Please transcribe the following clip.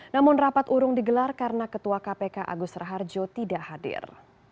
namun rapat urung digelar karena ketua kpk agus raharjo tidak hadir